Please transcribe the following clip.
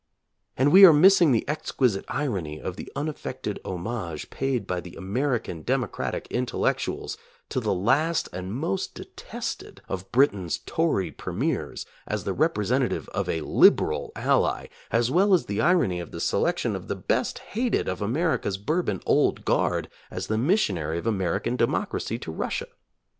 And we are missing the exquisite irony of the unaffected homage paid by the American democratic intellectuals to the last and most detested of Britain's tory premiers as the representative of a "liberal" ally, as well as the irony of the selection of the best hated of America's bourbon "old guard" as the missionary of American democracy to Russia.